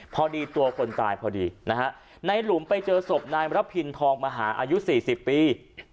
พอดีตัวคนตายพอดีนะฮะในหลุมไปเจอศพนายมรพินทองมหาอายุ๔๐ปี